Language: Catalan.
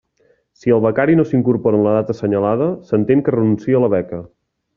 Si el becari no s'incorpora en la data assenyalada, s'entén que renuncia a la beca.